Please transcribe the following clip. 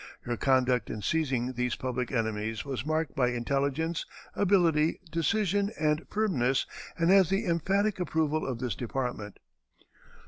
Your conduct in seizing these public enemies was marked by intelligence, ability, decision, and firmness, and has the emphatic approval of this Department."